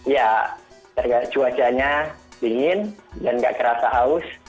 ya cuacanya dingin dan nggak kerasa haus